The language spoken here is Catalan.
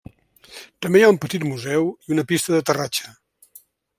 També hi ha un petit museu i una pista d'aterratge.